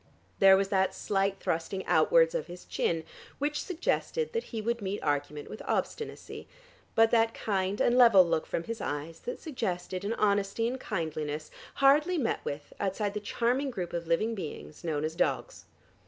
There was that slight thrusting outwards of his chin which suggested that he would meet argument with obstinacy, but that kind and level look from his eyes that suggested an honesty and kindliness hardly met with outside the charming group of living beings known as dogs.